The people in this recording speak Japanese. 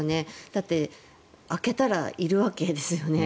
だって開けたらいるわけですよね。